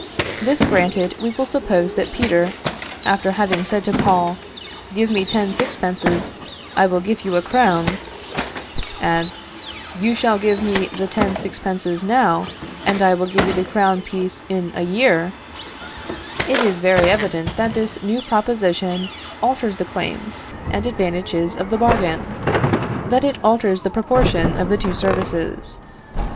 This granted, we will suppose that Peter, after having said to Paul, "Give me ten sixpences, I will give you a crown," adds, "You shall give me the ten sixpences now, and I will give you the crown piece in a year;" it is very evident that this new proposition alters the claims and advantages of the bargain; that it alters the proportion of the two services.